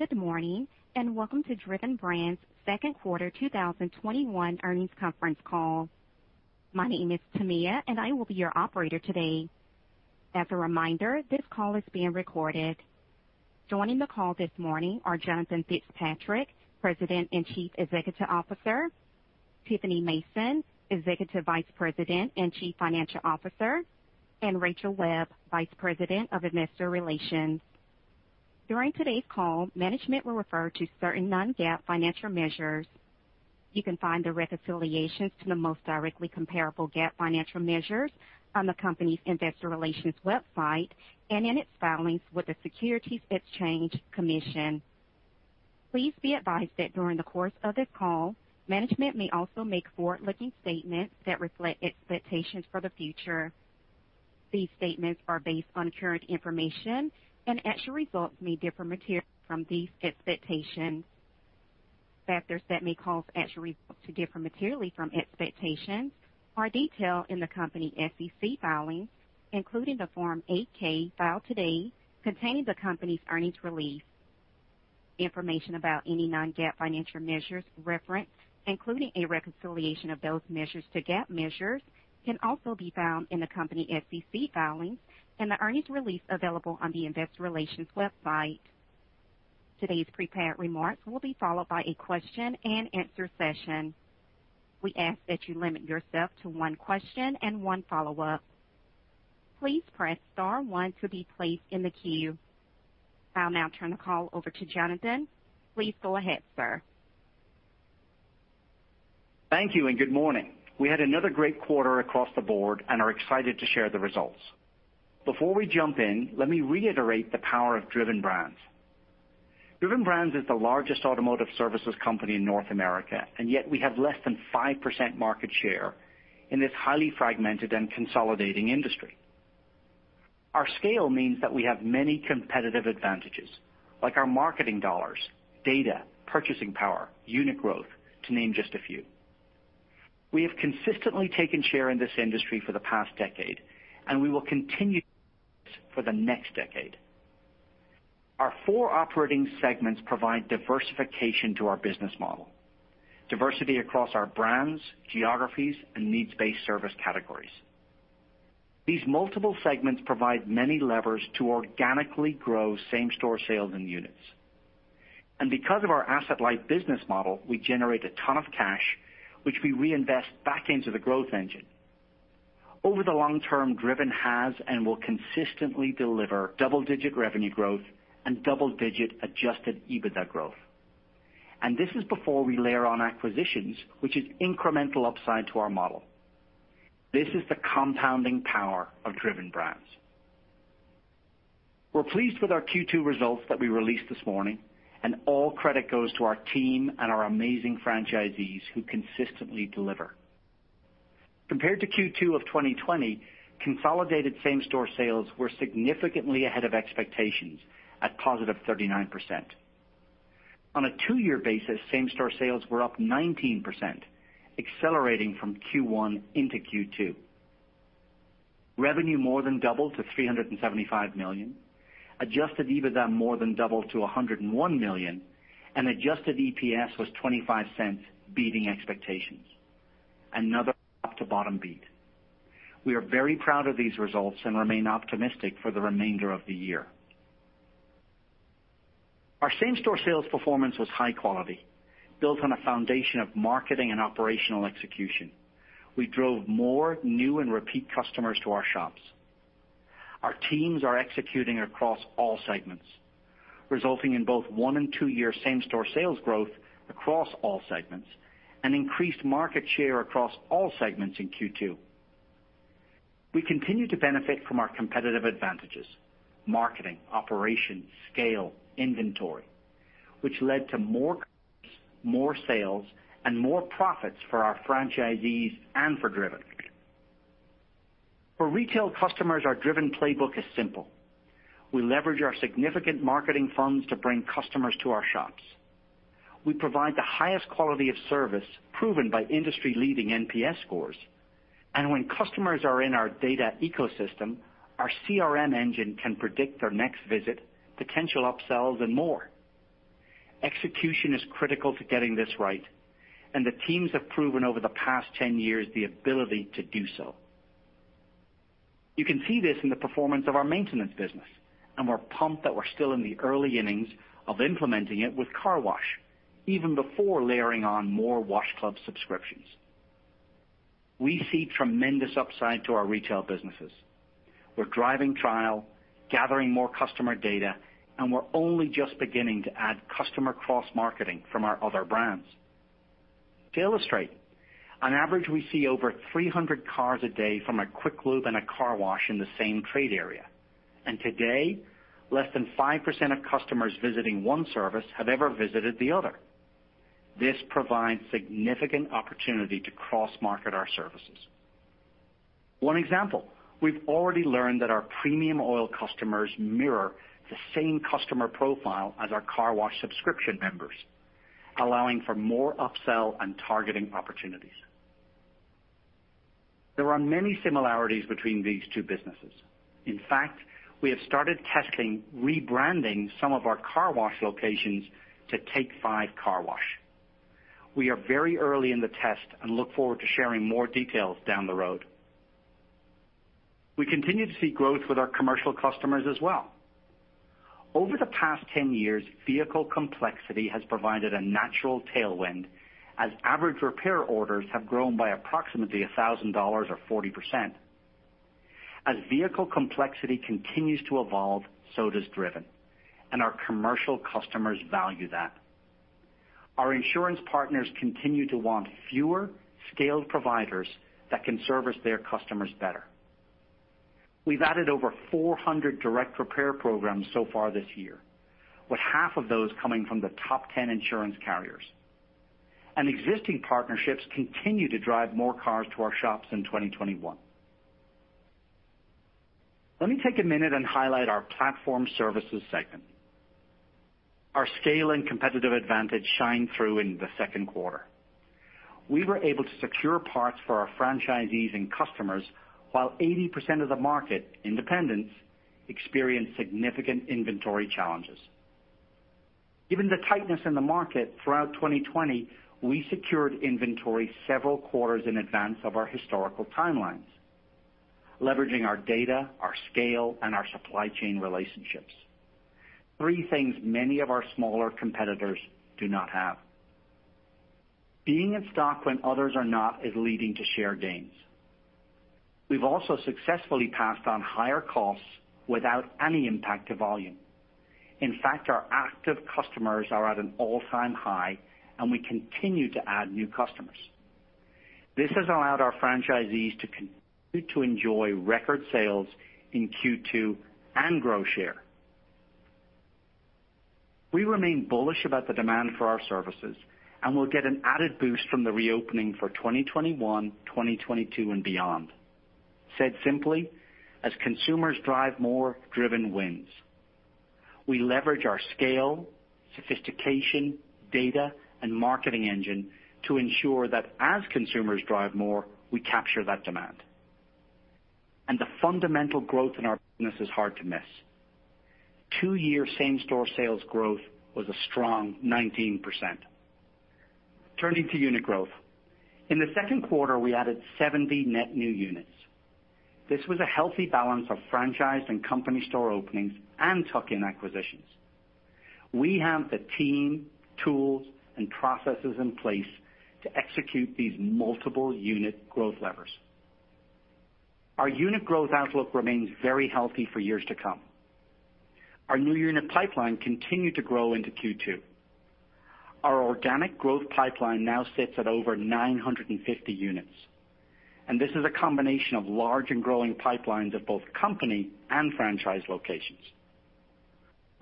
Good morning, and welcome to Driven Brands' second quarter 2021 earnings conference call. My name is Tamia, and I will be your operator today. As a reminder, this call is being recorded. Joining the call this morning are Jonathan Fitzpatrick, President and Chief Executive Officer, Tiffany Mason, Executive Vice President and Chief Financial Officer, and Rachel Webb, Vice President of Investor Relations. During today's call, management will refer to certain non-GAAP financial measures. You can find the reconciliations to the most directly comparable GAAP financial measures on the company's investor relations website and in its filings with the Securities and Exchange Commission. Please be advised that during the course of this call, management may also make forward-looking statements that reflect expectations for the future. These statements are based on current information, and actual results may differ materially from these expectations. Factors that may cause actual results to differ materially from expectations are detailed in the company SEC filings, including the Form 8-K filed today containing the company's earnings release. Information about any non-GAAP financial measures referenced, including a reconciliation of those measures to GAAP measures, can also be found in the company SEC filings and the earnings release available on the investor relations website. Today's prepared remarks will be followed by a question-and-answer session. We ask that you limit yourself to one question and one follow-up. Please press star one to be placed in the queue. I'll now turn the call over to Jonathan. Please go ahead, sir. Thank you. Good morning. We had another great quarter across the board and are excited to share the results. Before we jump in, let me reiterate the power of Driven Brands. Driven Brands is the largest automotive services company in North America, and yet we have less than 5% market share in this highly fragmented and consolidating industry. Our scale means that we have many competitive advantages, like our marketing dollars, data, purchasing power, unit growth, to name just a few. We have consistently taken share in this industry for the past decade, and we will continue to do this for the next decade. Our four operating segments provide diversification to our business model, diversity across our brands, geographies, and needs-based service categories. These multiple segments provide many levers to organically grow same-store sales and units. Because of our asset-light business model, we generate a ton of cash, which we reinvest back into the growth engine. Over the long term, Driven has and will consistently deliver double-digit revenue growth and double-digit adjusted EBITDA growth. This is before we layer on acquisitions, which is incremental upside to our model. This is the compounding power of Driven Brands. We're pleased with our Q2 results that we released this morning, and all credit goes to our team and our amazing franchisees who consistently deliver. Compared to Q2 of 2020, consolidated same-store sales were significantly ahead of expectations at positive 39%. On a two year basis, same-store sales were up 19%, accelerating from Q1 into Q2. Revenue more than doubled to $375 million, adjusted EBITDA more than doubled to $101 million, and adjusted EPS was $0.25, beating expectations. Another top to bottom beat. We are very proud of these results and remain optimistic for the remainder of the year. Our same-store sales performance was high quality, built on a foundation of marketing and operational execution. We drove more new and repeat customers to our shops. Our teams are executing across all segments, resulting in both one and two year same-store sales growth across all segments and increased market share across all segments in Q2. We continue to benefit from our competitive advantages, marketing, operations, scale, inventory, which led to more customers, more sales, and more profits for our franchisees and for Driven. For retail customers, our Driven playbook is simple. We leverage our significant marketing funds to bring customers to our shops. We provide the highest quality of service proven by industry-leading NPS scores. When customers are in our data ecosystem, our CRM engine can predict their next visit, potential upsells, and more. Execution is critical to getting this right, and the teams have proven over the past 10 years the ability to do so. You can see this in the performance of our maintenance business, and we're pumped that we're still in the early innings of implementing it with car wash, even before layering on more Wash Club subscriptions. We see tremendous upside to our retail businesses. We're driving trial, gathering more customer data, and we're only just beginning to add customer cross-marketing from our other brands. To illustrate, on average, we see over 300 cars a day from a Quick Lube and a car wash in the same trade area. Today, less than 5% of customers visiting one service have ever visited the other. This provides significant opportunity to cross-market our services. One example, we've already learned that our premium oil customers mirror the same customer profile as our car wash subscription members, allowing for more upsell and targeting opportunities. There are many similarities between these two businesses. In fact, we have started testing rebranding some of our car wash locations to Take 5 Car Wash. We are very early in the test and look forward to sharing more details down the road. We continue to see growth with our commercial customers as well. Over the past 10 years, vehicle complexity has provided a natural tailwind as average repair orders have grown by approximately $1,000 or 40%. As vehicle complexity continues to evolve, so does Driven, and our commercial customers value that. Our insurance partners continue to want fewer scaled providers that can service their customers better. We've added over 400 Direct Repair Programs so far this year, with half of those coming from the top 10 insurance carriers. Existing partnerships continue to drive more cars to our shops in 2021. Let me take one minute and highlight our platform services segment. Our scale and competitive advantage shine through in the second quarter. We were able to secure parts for our franchisees and customers while 80% of the market, independents, experienced significant inventory challenges. Given the tightness in the market throughout 2020, we secured inventory several quarters in advance of our historical timelines, leveraging our data, our scale, and our supply chain relationships. Three things many of our smaller competitors do not have. Being in stock when others are not is leading to share gains. We've also successfully passed on higher costs without any impact to volume. In fact, our active customers are at an all-time high, and we continue to add new customers. This has allowed our franchisees to continue to enjoy record sales in Q2 and grow share. We remain bullish about the demand for our services, and we'll get an added boost from the reopening for 2021, 2022, and beyond. Said simply, as consumers drive more, Driven wins. We leverage our scale, sophistication, data, and marketing engine to ensure that as consumers drive more, we capture that demand. The fundamental growth in our business is hard to miss. Two-year same-store sales growth was a strong 19%. Turning to unit growth. In the second quarter, we added 70 net new units. This was a healthy balance of franchise and company store openings and tuck-in acquisitions. We have the team, tools, and processes in place to execute these multiple unit growth levers. Our unit growth outlook remains very healthy for years to come. Our new unit pipeline continued to grow into Q2. Our organic growth pipeline now sits at over 950 units, and this is a combination of large and growing pipelines at both company and franchise locations.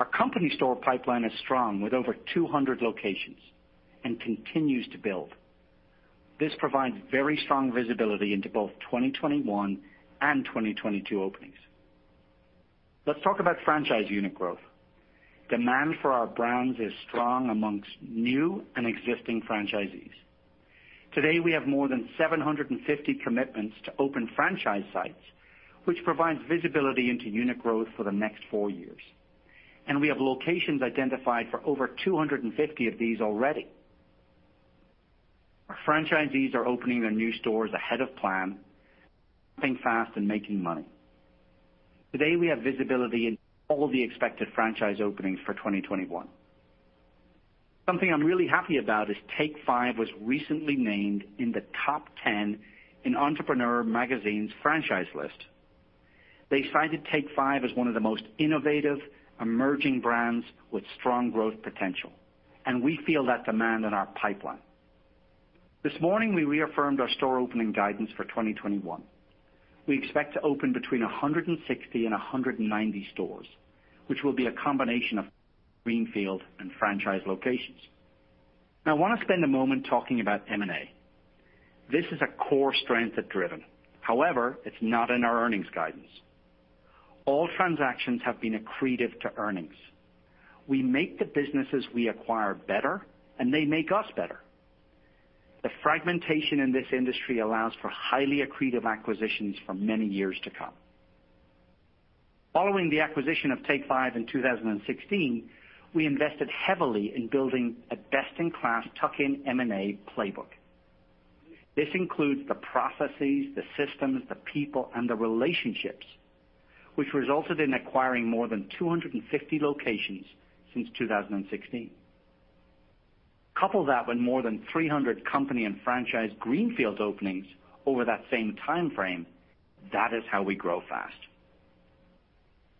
Our company store pipeline is strong with over 200 locations and continues to build. This provides very strong visibility into both 2021 and 2022 openings. Let's talk about franchise unit growth. Demand for our brands is strong amongst new and existing franchisees. Today, we have more than 750 commitments to open franchise sites, which provides visibility into unit growth for the next four years. We have locations identified for over 250 of these already. Our franchisees are opening their new stores ahead of plan, ramping fast and making money. Today, we have visibility in all the expected franchise openings for 2021. Something I'm really happy about is Take 5 was recently named in the top 10 in Entrepreneur Magazine's franchise list. They cited Take 5 as one of the most innovative emerging brands with strong growth potential, and we feel that demand in our pipeline. This morning, we reaffirmed our store opening guidance for 2021. We expect to open between 160 and 190 stores, which will be a combination of greenfield and franchise locations. I wanna spend a moment talking about M&A. This is a core strength at Driven. It's not in our earnings guidance. All transactions have been accretive to earnings. We make the businesses we acquire better, and they make us better. The fragmentation in this industry allows for highly accretive acquisitions for many years to come. Following the acquisition of Take 5 in 2016, we invested heavily in building a best-in-class tuck-in M&A playbook. This includes the processes, the systems, the people, and the relationships, which resulted in acquiring more than 250 locations since 2016. Couple that with more than 300 company and franchise greenfield openings over that same timeframe, that is how we grow fast.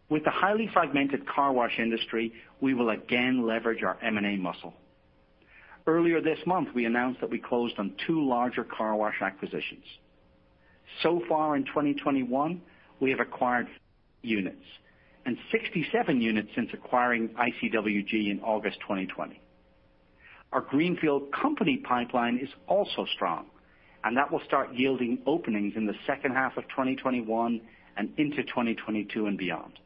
With the highly fragmented car wash industry, we will again leverage our M&A muscle. Earlier this month, we announced that we closed on two larger car wash acquisitions. So far in 2021, we have acquired units, and 67 units since acquiring ICWG in August 2020. Our greenfield company pipeline is also strong, and that will start yielding openings in the second half of 2021 and into 2022 and beyond.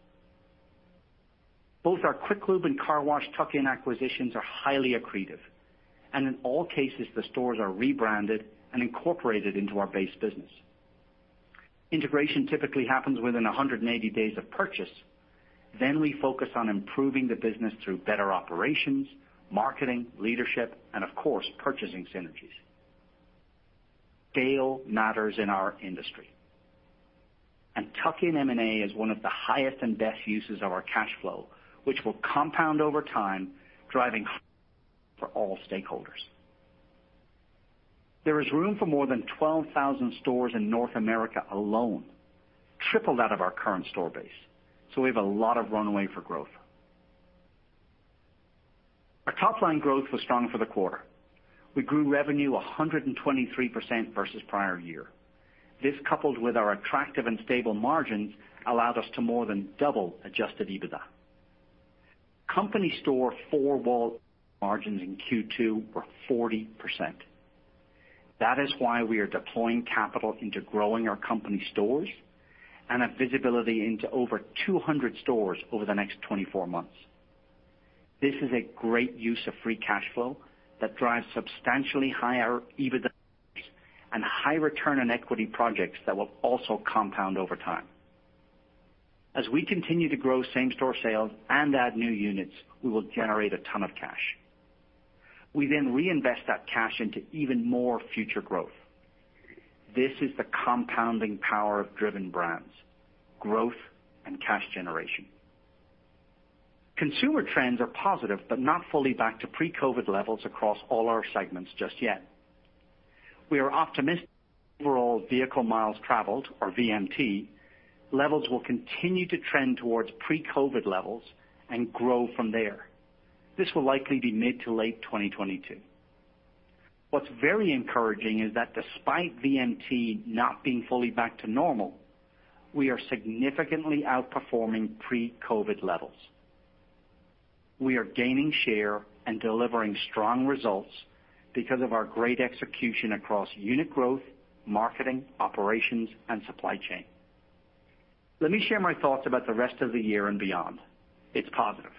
Both our Quick Lube and Car Wash tuck-in acquisitions are highly accretive, and in all cases, the stores are rebranded and incorporated into our base business. Integration typically happens within 180 days of purchase. We focus on improving the business through better operations, marketing, leadership, and of course, purchasing synergies. Scale matters in our industry, and tuck-in M&A is one of the highest and best uses of our cash flow, which will compound over time, driving for all stakeholders. There is room for more than 12,000 stores in North America alone, triple that of our current store base. We have a lot of runway for growth. Our top-line growth was strong for the quarter. We grew revenue 123% versus prior year. This, coupled with our attractive and stable margins, allowed us to more than double adjusted EBITDA. Company store four-wall margins in Q2 were 40%. That is why we are deploying capital into growing our company stores and have visibility into over 200 stores over the next 24 months. This is a great use of free cash flow that drives substantially higher EBITDA and high return on equity projects that will also compound over time. As we continue to grow same-store sales and add new units, we will generate a ton of cash. We reinvest that cash into even more future growth. This is the compounding power of Driven Brands, growth and cash generation. Consumer trends are positive but not fully back to pre-COVID levels across all our segments just yet. We are optimistic overall vehicle miles traveled, or VMT, levels will continue to trend towards pre-COVID levels and grow from there. This will likely be mid to late 2022. What's very encouraging is that despite VMT not being fully back to normal, we are significantly outperforming pre-COVID levels. We are gaining share and delivering strong results because of our great execution across unit growth, marketing, operations, and supply chain. Let me share my thoughts about the rest of the year and beyond. It's positive.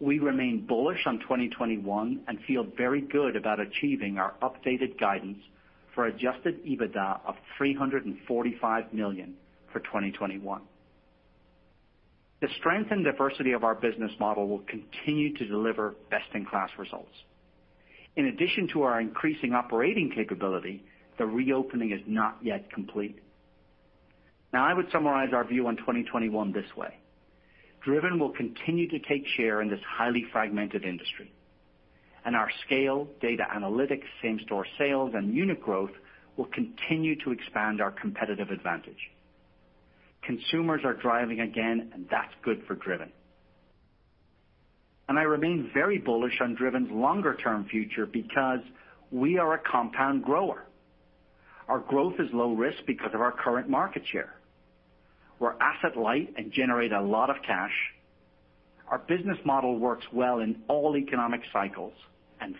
We remain bullish on 2021 and feel very good about achieving our updated guidance for adjusted EBITDA of $345 million for 2021. The strength and diversity of our business model will continue to deliver best-in-class results. In addition to our increasing operating capability, the reopening is not yet complete. Now, I would summarize our view on 2021 this way: Driven will continue to take share in this highly fragmented industry, and our scale, data analytics, same-store sales, and unit growth will continue to expand our competitive advantage. Consumers are driving again, and that's good for Driven. I remain very bullish on Driven's longer-term future because we are a compound grower. Our growth is low risk because of our current market share. We're asset light and generate a lot of cash. Our business model works well in all economic cycles.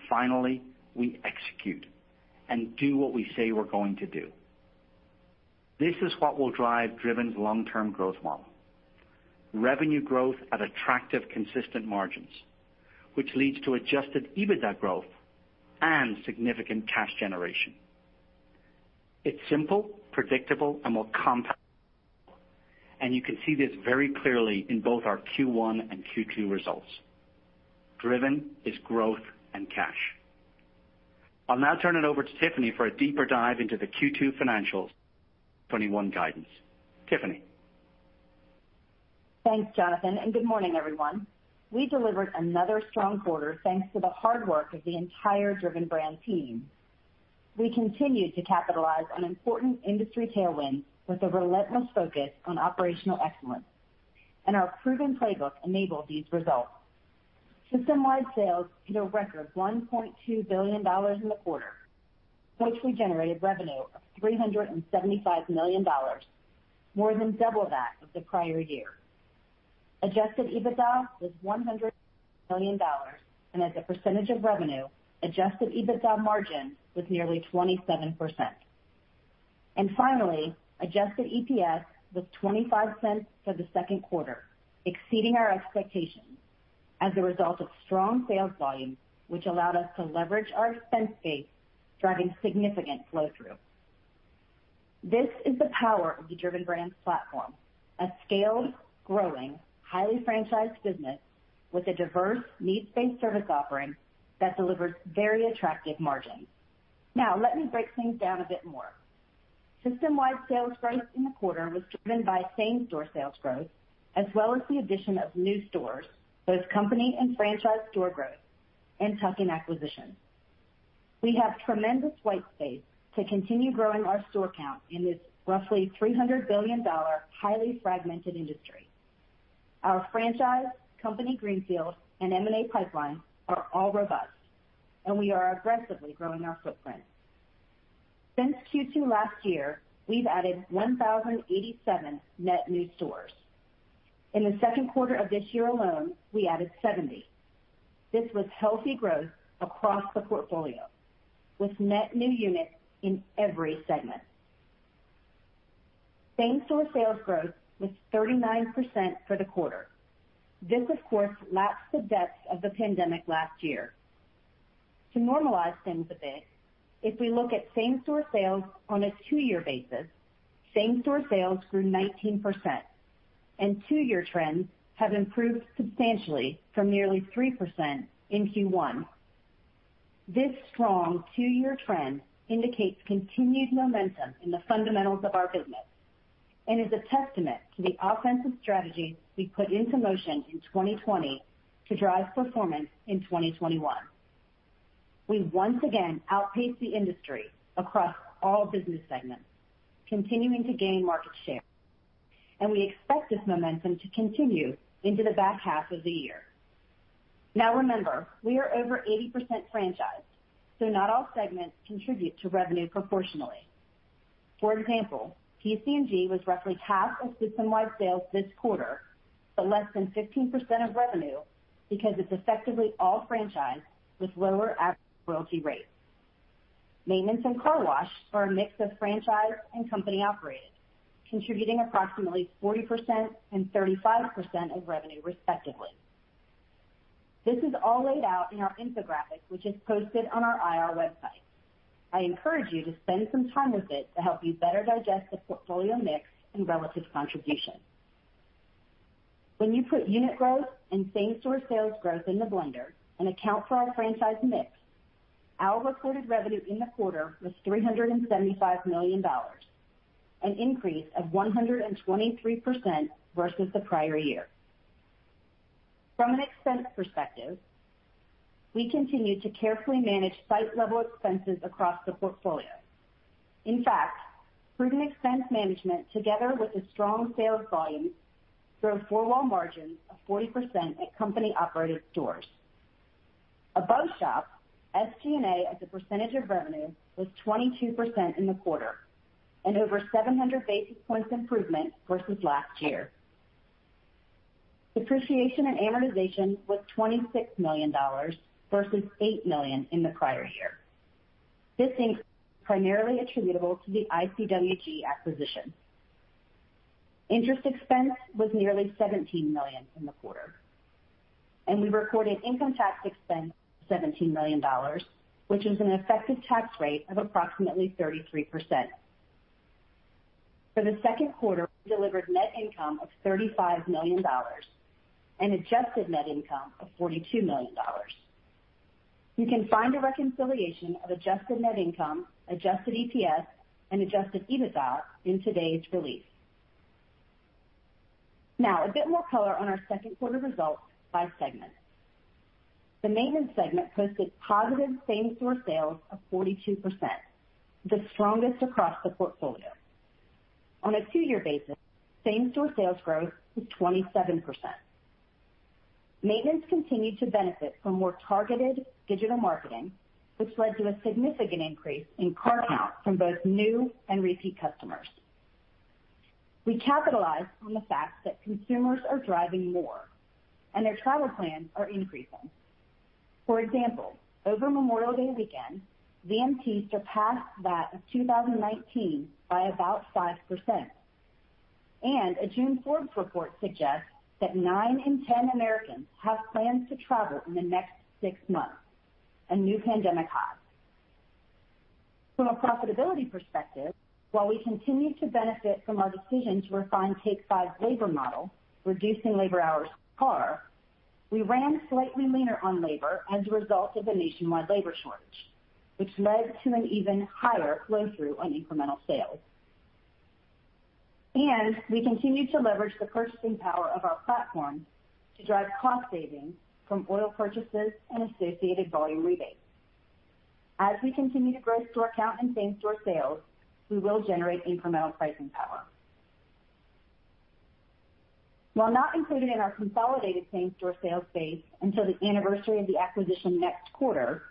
Finally, we execute and do what we say we're going to do. This is what will drive Driven's long-term growth model. Revenue growth at attractive, consistent margins, which leads to adjusted EBITDA growth and significant cash generation. It's simple, predictable, and will compound, and you can see this very clearly in both our Q1 and Q2 results. Driven is growth and cash. I'll now turn it over to Tiffany for a deeper dive into the Q2 financials and 2021 guidance. Tiffany? Thanks, Jonathan, good morning, everyone. We delivered another strong quarter, thanks to the hard work of the entire Driven Brands team. We continued to capitalize on important industry tailwinds with a relentless focus on operational excellence. Our proven playbook enabled these results. Systemwide sales hit a record $1.2 billion in the quarter, which we generated revenue of $375 million, more than double that of the prior year. Adjusted EBITDA was $100 million and as a percentage of revenue, adjusted EBITDA margin was nearly 27%. Finally, adjusted EPS was $0.25 for the second quarter, exceeding our expectations as a result of strong sales volume, which allowed us to leverage our expense base, driving significant flow-through. This is the power of the Driven Brands platform, a scaled, growing, highly franchised business with a diverse needs-based service offering that delivers very attractive margins. Now, let me break things down a bit more. Systemwide sales growth in the quarter was driven by same-store sales growth, as well as the addition of new stores, both company and franchise store growth, and tuck-in acquisitions. We have tremendous white space to continue growing our store count in this roughly $300 billion, highly fragmented industry. Our franchise, company greenfield, and M&A pipeline are all robust. We are aggressively growing our footprint. Since Q2 last year, we've added 1,087 net new stores. In the second quarter of this year alone, we added 70. This was healthy growth across the portfolio with net new units in every segment. Same-store sales growth was 39% for the quarter. This, of course, laps the depths of the pandemic last year. To normalize things a bit, if we look at same-store sales on a two-year basis, same-store sales grew 19%, and two-year trends have improved substantially from nearly 3% in Q1. This strong two-year trend indicates continued momentum in the fundamentals of our business and is a testament to the offensive strategy we put into motion in 2020 to drive performance in 2021. We once again outpaced the industry across all business segments, continuing to gain market share, and we expect this momentum to continue into the back half of the year. Now remember, we are over 80% franchised, so not all segments contribute to revenue proportionally. For example, PC&G was roughly half of system-wide sales this quarter, but less than 15% of revenue because it's effectively all franchised with lower average royalty rates. Maintenance and car wash are a mix of franchise and company operated, contributing approximately 40% and 35% of revenue respectively. This is all laid out in our infographic, which is posted on our IR website. I encourage you to spend some time with it to help you better digest the portfolio mix and relative contribution. When you put unit growth and same-store sales growth in the blender and account for our franchise mix, our recorded revenue in the quarter was $375 million, an increase of 123% versus the prior year. From an expense perspective, we continue to carefully manage site-level expenses across the portfolio. In fact, prudent expense management, together with the strong sales volumes, drove four-wall margins of 40% at company-operated stores. Above shop, SG&A as a percentage of revenue was 22% in the quarter and over 700 basis points improvement versus last year. Depreciation and amortization was $26 million versus $8 million in the prior year. This increase is primarily attributable to the ICWG acquisition. Interest expense was nearly $17 million in the quarter, and we recorded income tax expense of $17 million, which is an effective tax rate of approximately 33%. For the second quarter, we delivered net income of $35 million and adjusted net income of $42 million. You can find a reconciliation of adjusted net income, adjusted EPS, and adjusted EBITDA in today's release. A bit more color on our second quarter results by segment. The maintenance segment posted positive same-store sales of 42%, the strongest across the portfolio. On a two year basis, same-store sales growth was 27%. Maintenance continued to benefit from more targeted digital marketing, which led to a significant increase in car counts from both new and repeat customers. We capitalized on the fact that consumers are driving more, and their travel plans are increasing. For example, over Memorial Day weekend, VMT surpassed that of 2019 by about 5%. A June Forbes report suggests that nine in 10 Americans have plans to travel in the next six months, a new pandemic high. From a profitability perspective, while we continue to benefit from our decision to refine Take 5 labor model, reducing labor hours per car, we ran slightly leaner on labor as a result of the nationwide labor shortage, which led to an even higher flow-through on incremental sales. We continued to leverage the purchasing power of our platform to drive cost savings from oil purchases and associated volume rebates. As we continue to grow store count and same-store sales, we will generate incremental pricing power. While not included in our consolidated same-store sales base until the anniversary of the acquisition next quarter,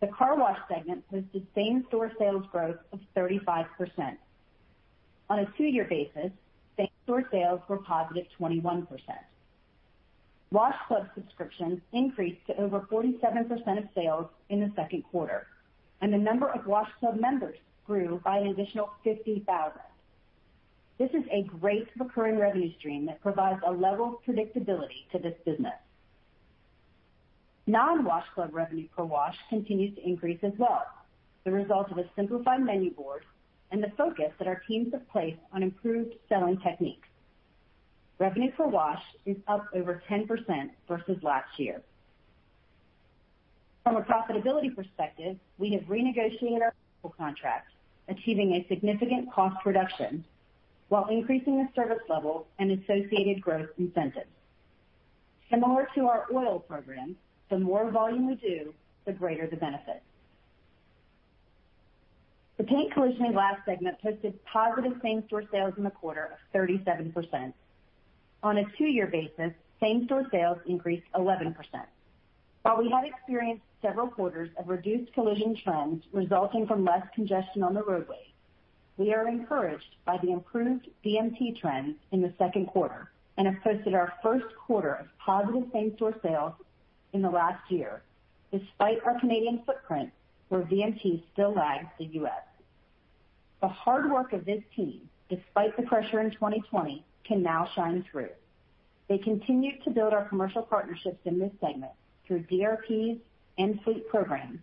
the Car Wash segment posted same-store sales growth of 35%. On a two year basis, same-store sales were a positive 21%. Wash Club subscriptions increased to over 47% of sales in the second quarter, and the number of Wash Club members grew by an additional 50,000. This is a great recurring revenue stream that provides a level of predictability to this business. Non-Wash Club revenue per wash continues to increase as well, the result of a simplified menu board and the focus that our teams have placed on improved selling techniques. Revenue per wash is up over 10% versus last year. From a profitability perspective, we have renegotiated our contracts, achieving a significant cost reduction while increasing the service level and associated growth incentives. Similar to our oil program, the more volume we do, the greater the benefit. The Paint, Collision, & Glass segment posted positive same-store sales in the quarter of 37%. On a two-year basis, same-store sales increased 11%. While we have experienced several quarters of reduced collision trends resulting from less congestion on the roadways, we are encouraged by the improved VMT trends in the second quarter and have posted our first quarter of positive same-store sales in the last year, despite our Canadian footprint, where VMT still lags the U.S. The hard work of this team, despite the pressure in 2020, can now shine through. They continued to build our commercial partnerships in this segment through DRPs and fleet programs,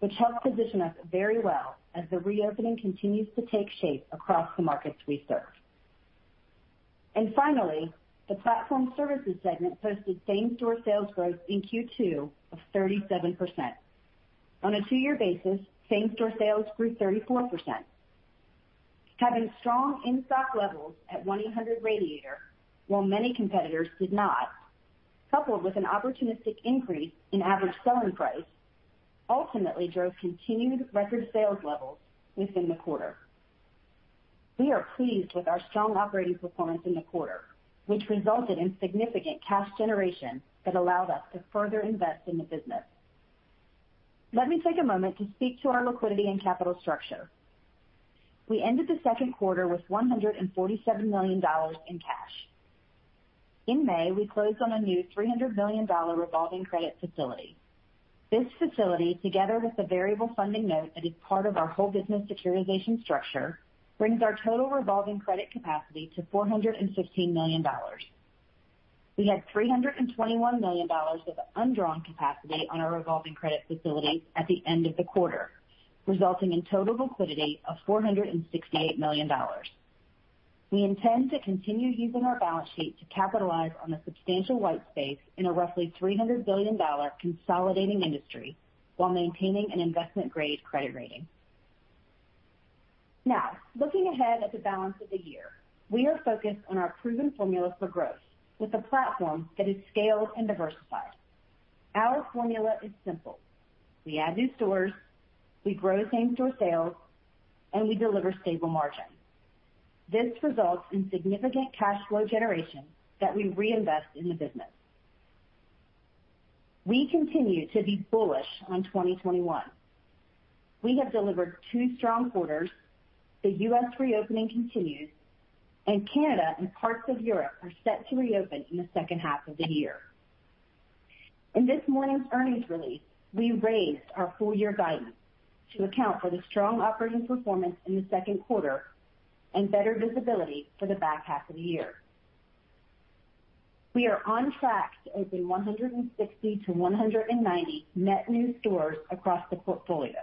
which helps position us very well as the reopening continues to take shape across the markets we serve. Finally, the platform services segment posted same-store sales growth in Q2 of 37%. On a 2-year basis, same-store sales grew 34%. Having strong in-stock levels at 1-800-RADIATOR while many competitors did not, coupled with an opportunistic increase in average selling price, ultimately drove continued record sales levels within the quarter. We are pleased with our strong operating performance in the quarter, which resulted in significant cash generation that allowed us to further invest in the business. Let me take a moment to speak to our liquidity and capital structure. We ended the second quarter with $147 million in cash. In May, we closed on a new $300 million revolving credit facility. This facility, together with the variable funding note that is part of our whole business securitization structure, brings our total revolving credit capacity to $416 million. We had $321 million of undrawn capacity on our revolving credit facility at the end of the quarter, resulting in total liquidity of $468 million. We intend to continue using our balance sheet to capitalize on the substantial white space in a roughly $300 billion consolidating industry while maintaining an investment-grade credit rating. Looking ahead at the balance of the year, we are focused on our proven formula for growth with a platform that is scaled and diversified. Our formula is simple. We add new stores, we grow same-store sales, and we deliver stable margins. This results in significant cash flow generation that we reinvest in the business. We continue to be bullish on 2021. We have delivered two strong quarters, the U.S. reopening continues, and Canada and parts of Europe are set to reopen in the second half of the year. In this morning's earnings release, we raised our full-year guidance to account for the strong operating performance in the second quarter and better visibility for the back half of the year. We are on track to open 160 to 190 net new stores across the portfolio.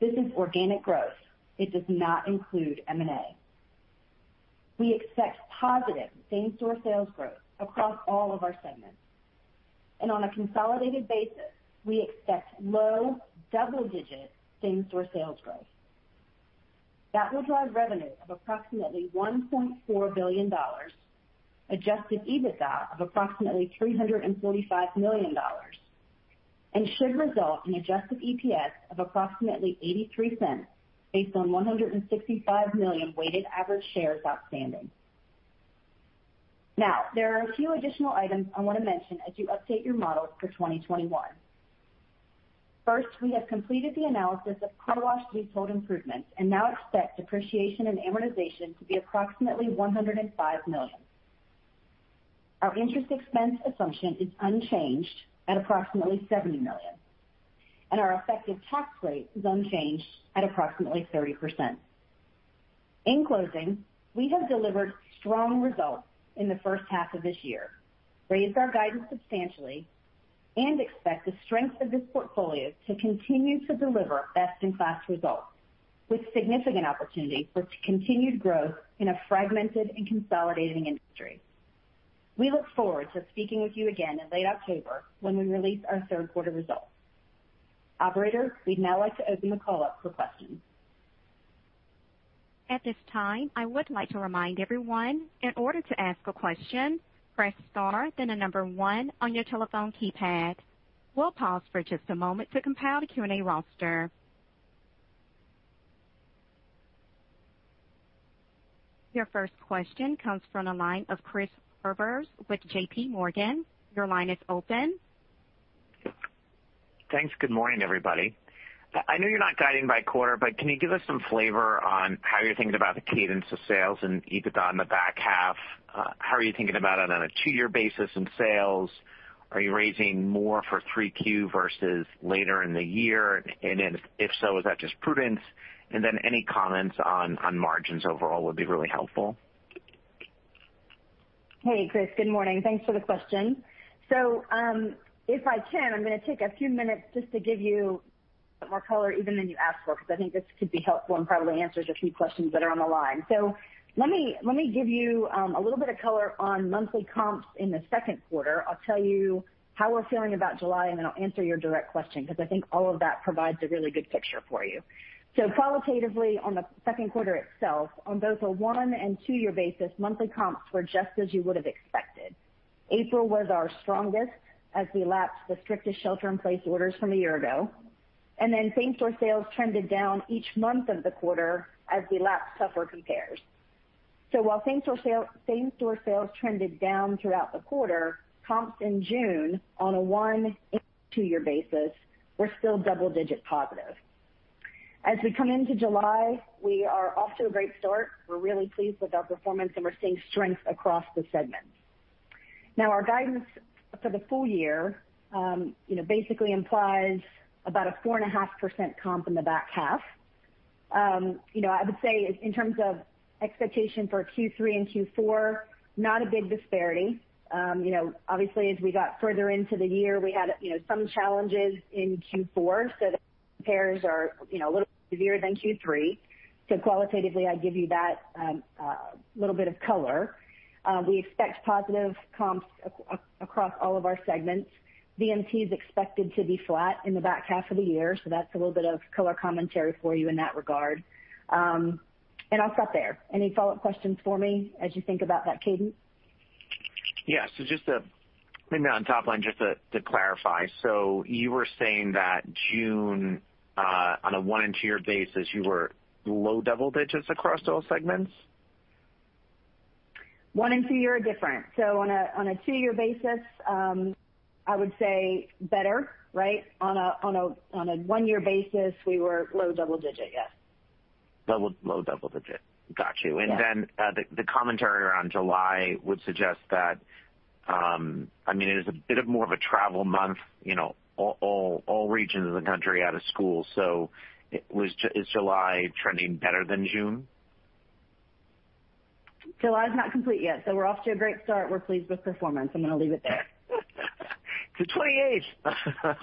This is organic growth. It does not include M&A. We expect positive same-store sales growth across all of our segments. On a consolidated basis, we expect low double-digit same-store sales growth. That will drive revenue of approximately $1.4 billion, adjusted EBITDA of approximately $345 million, and should result in adjusted EPS of approximately $0.83 based on 165 million weighted average shares outstanding. There are a few additional items I want to mention as you update your models for 2021. First, we have completed the analysis of car wash leasehold improvements and now expect depreciation and amortization to be approximately $105 million. Our interest expense assumption is unchanged at approximately $70 million, and our effective tax rate is unchanged at approximately 30%. In closing, we have delivered strong results in the first half of this year, raised our guidance substantially, and expect the strength of this portfolio to continue to deliver best-in-class results with significant opportunity for continued growth in a fragmented and consolidating industry. We look forward to speaking with you again in late October when we release our third quarter results. Operator, we'd now like to open the call up for questions. At this time, I would like to remind everyone in order to ask a question, press star then the number one on your telephone keypad. We'll pause for just a moment to compile the Q&A roster. Your first question comes from the line of Christopher Horvers with JPMorgan. Your line is open. Thanks. Good morning, everybody. I know you're not guiding by quarter, can you give us some flavor on how you're thinking about the cadence of sales and EBITDA in the back half? How are you thinking about it on a two year basis in sales? Are you raising more for 3Q versus later in the year? If so, is that just prudence? Any comments on margins overall would be really helpful. Hey, Chris. Good morning. Thanks for the question. If I can, I'm going to take a few minutes just to give you more color even than you asked for, because I think this could be helpful and probably answers a few questions that are on the line. Let me give you a little bit of color on monthly comps in the second quarter. I'll tell you how we're feeling about July, and then I'll answer your direct question because I think all of that provides a really good picture for you. Qualitatively on the second quarter itself, on both a one and two year basis, monthly comps were just as you would have expected. April was our strongest as we lapsed the strictest shelter-in-place orders from a year ago. same-store sales trended down each month of the quarter as we lapsed tougher compares. While same-store sales trended down throughout the quarter, comps in June on a one and two-year basis were still double-digit positive. As we come into July, we are off to a great start. We're really pleased with our performance, and we're seeing strength across the segments. Our guidance for the full-year basically implies about a 4.5% comp in the back half. I would say in terms of expectation for Q3 and Q4, not a big disparity. Obviously, as we got further into the year, we had some challenges in Q4, so the compares are a little bit heavier than Q3. Qualitatively, I give you that little bit of color. We expect positive comps across all of our segments. VMT is expected to be flat in the back half of the year, so that's a little bit of color commentary for you in that regard. I'll stop there. Any follow-up questions for me as you think about that cadence? Yeah. Maybe on top line, just to clarify. You were saying that June, on a one and two year basis, you were low double digits across all segments? One and two year are different. On a two year basis, I would say better, right? On a one year basis, we were low double digit, yes. Low double digit. Got you. Yeah. Then, the commentary around July would suggest that, it is a bit more of a travel month, all regions of the country out of school. Is July trending better than June? July's not complete yet. We're off to a great start. We're pleased with performance. I'm going to leave it there. It's the 28th.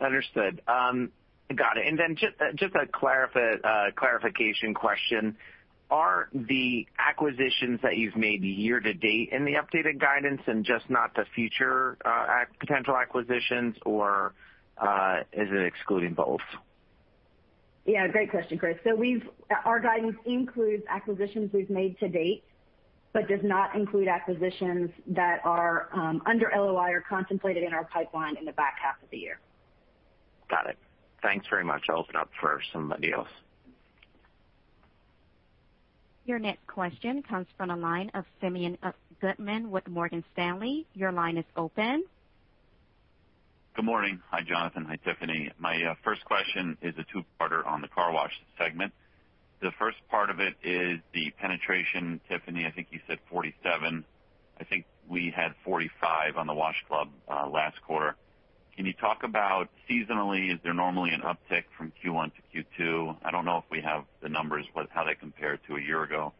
Understood. Got it. Just a clarification question. Are the acquisitions that you've made year-to-date in the updated guidance and just not the future potential acquisitions, or is it excluding both? Yeah. Great question, Chris. Our guidance includes acquisitions we've made to date but does not include acquisitions that are under LOI or contemplated in our pipeline in the back half of the year. Got it. Thanks very much. I'll open up for somebody else. Your next question comes from the line of Simeon Gutman with Morgan Stanley. Your line is open. Good morning. Hi, Jonathan Fitzpatrick. Hi, Tiffany Mason. My first question is a two-parter on the car wash segment. The first part of it is the penetration. Tiffany Mason, I think you said 47. I think we had 45 on the Wash Club last quarter. Can you talk about seasonally, is there normally an uptick from Q1 to Q2? I don't know if we have the numbers, but how they compare to a year ago.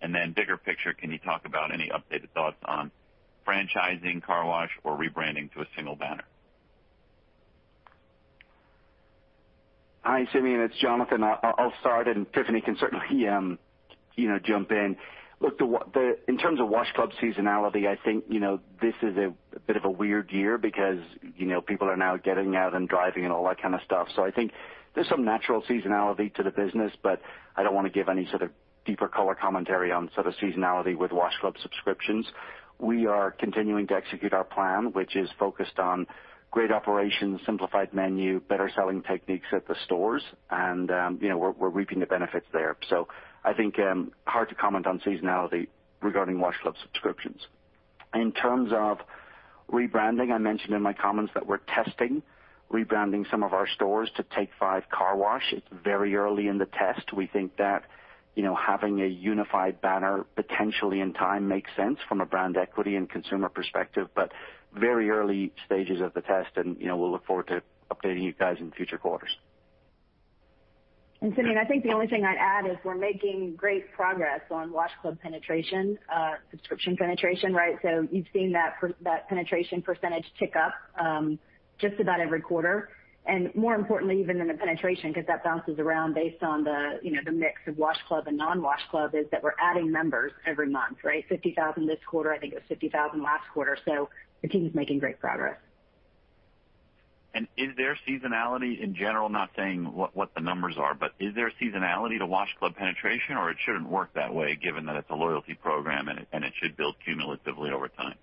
Then bigger picture, can you talk about any updated thoughts on franchising car wash or rebranding to a single banner? Hi, Simeon, it's Jonathan. I'll start, and Tiffany can certainly jump in. Look, in terms of Wash Club seasonality, I think, this is a bit of a weird year because people are now getting out and driving and all that kind of stuff. I think there's some natural seasonality to the business, but I don't want to give any sort of deeper color commentary on sort of seasonality with Wash Club subscriptions. We are continuing to execute our plan, which is focused on great operations, simplified menu, better selling techniques at the stores, and we're reaping the benefits there. I think, hard to comment on seasonality regarding Wash Club subscriptions. In terms of rebranding, I mentioned in my comments that we're testing rebranding some of our stores to Take 5 Car Wash. It's very early in the test. We think that having a unified banner potentially in time makes sense from a brand equity and consumer perspective, but very early stages of the test, and we'll look forward to updating you guys in future quarters. Simeon, I think the only thing I'd add is we're making great progress on Wash Club penetration, subscription penetration, right? You've seen that penetration % tick up just about every quarter, and more importantly, even than the penetration, because that bounces around based on the mix of Wash Club and non-Wash Club, is that we're adding members every month, right? 50,000 this quarter. I think it was 50,000 last quarter. The team is making great progress. Is there seasonality in general, not saying what the numbers are, but is there seasonality to Wash Club penetration, or it shouldn't work that way given that it's a loyalty program and it should build cumulatively over time?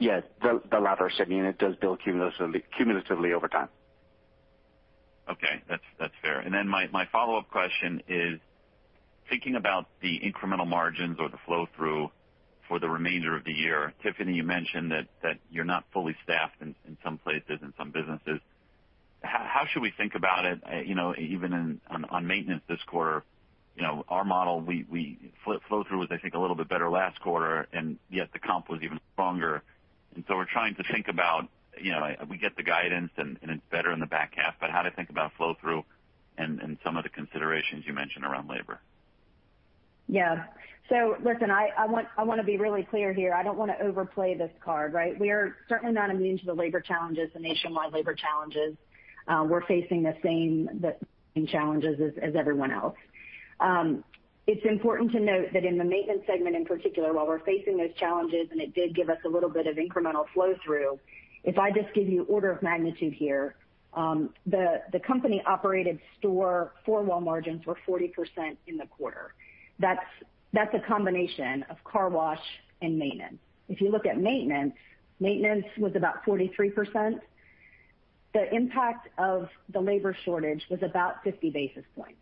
Yes, the latter, Simeon. It does build cumulatively over time. Okay. That's fair. My follow-up question is thinking about the incremental margins or the flow-through for the remainder of the year. Tiffany, you mentioned that you're not fully staffed in some places, in some businesses. How should we think about it, even on maintenance this quarter? Our model, flow-through was, I think, a little bit better last quarter, the comp was even stronger. We're trying to think about, we get the guidance and it's better in the back half, how to think about flow-through and some of the considerations you mentioned around labor. Yeah. Listen, I want to be really clear here. I don't want to overplay this card, right? We are certainly not immune to the labor challenges, the nationwide labor challenges. We're facing the same challenges as everyone else. It's important to note that in the maintenance segment in particular, while we're facing those challenges, and it did give us a little bit of incremental flow-through. If I just give you order of magnitude here, the company-operated store four-wall margins were 40% in the quarter. That's a combination of car wash and maintenance. If you look at maintenance was about 43%. The impact of the labor shortage was about 50 basis points.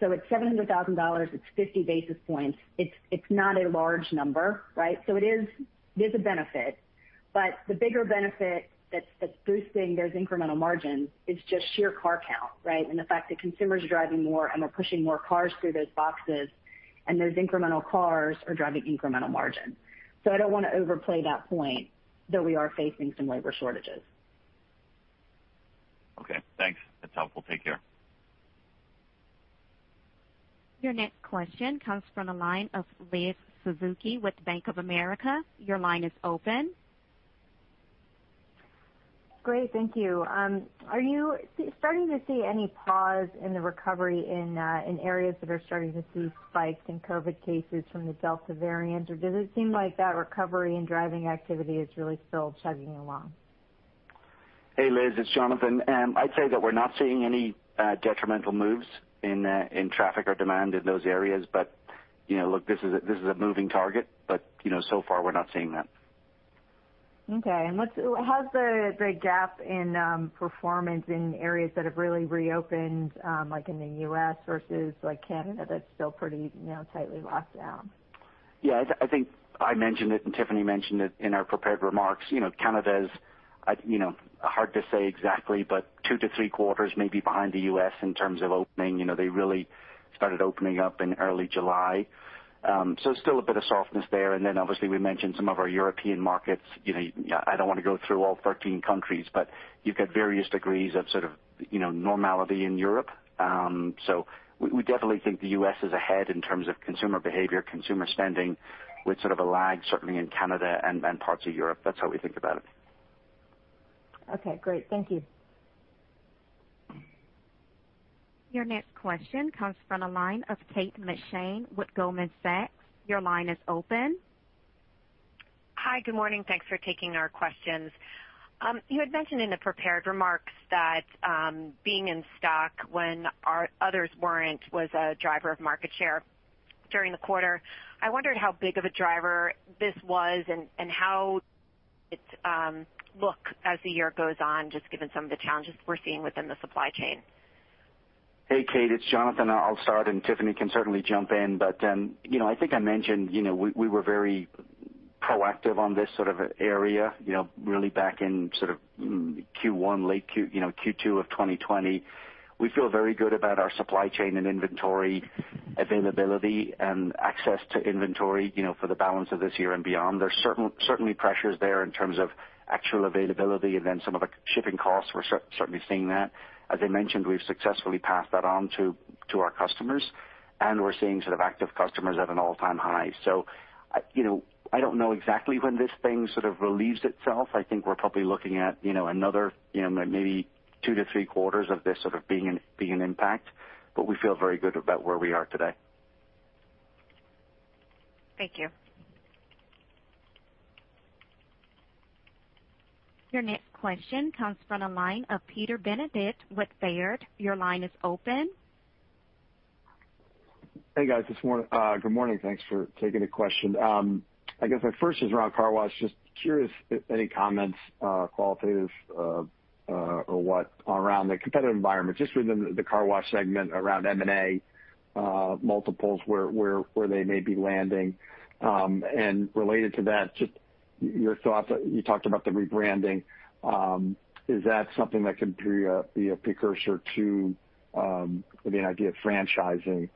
It's $700,000, it's 50 basis points. It's not a large number, right? There's a benefit. But the bigger benefit that's boosting those incremental margins is just sheer car count, right? The fact that consumers are driving more and we're pushing more cars through those boxes, and those incremental cars are driving incremental margins. I don't want to overplay that point, though we are facing some labor shortages. Okay, thanks. That's helpful. Take care. Your next question comes from the line of Liz Suzuki with Bank of America. Your line is open. Great, thank you. Are you starting to see any pause in the recovery in areas that are starting to see spikes in COVID cases from the Delta variant, or does it seem like that recovery in driving activity is really still chugging along? Hey, Liz, it's Jonathan. I'd say that we're not seeing any detrimental moves in traffic or demand in those areas. Look, this is a moving target. So far, we're not seeing that. Okay. How's the gap in performance in areas that have really reopened, like in the U.S. versus Canada that's still pretty tightly locked down? Yeah, I think I mentioned it and Tiffany mentioned it in our prepared remarks. Canada is, hard to say exactly, but two to three quarters maybe behind the U.S. in terms of opening. They really started opening up in early July. Still a bit of softness there. Obviously we mentioned some of our European markets. I don't want to go through all 13 countries, but you've got various degrees of sort of normality in Europe. We definitely think the U.S. is ahead in terms of consumer behavior, consumer spending, with sort of a lag certainly in Canada and parts of Europe. That's how we think about it. Okay, great. Thank you. Your next question comes from the line of Kate McShane with Goldman Sachs. Your line is open. Hi, good morning. Thanks for taking our questions. You had mentioned in the prepared remarks that being in stock when others weren't was a driver of market share during the quarter. I wondered how big of a driver this was and how it look as the year goes on, just given some of the challenges we're seeing within the supply chain. Hey, Kate, it's Jonathan. I'll start, and Tiffany can certainly jump in. I think I mentioned, we were very proactive on this sort of area really back in sort of Q1, late Q2 of 2020. We feel very good about our supply chain and inventory availability and access to inventory for the balance of this year and beyond. There's certainly pressures there in terms of actual availability and then some of the shipping costs. We're certainly seeing that. As I mentioned, we've successfully passed that on to our customers, and we're seeing sort of active customers at an all-time high. I don't know exactly when this thing sort of relieves itself. I think we're probably looking at another maybe two to three quarters of this sort of being an impact. We feel very good about where we are today. Thank you. Your next question comes from the line of Peter Benedict with Baird. Your line is open. Hey, guys. Good morning. Thanks for taking the question. I guess my first is around car wash. Just curious if any comments, qualitative or what, around the competitive environment, just within the car wash segment around M&A multiples, where they may be landing. Related to that, just your thoughts. You talked about the rebranding. Is that something that could be a precursor to the idea of franchising